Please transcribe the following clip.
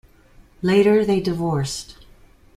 Later they divorced.